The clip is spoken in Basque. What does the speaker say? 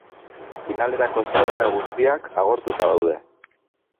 Finalerako sarrera guztiak agortuta daude.